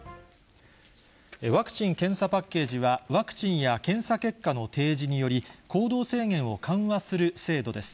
ワクチン・検査パッケージは、ワクチンや検査結果の提示により、行動制限を緩和する制度です。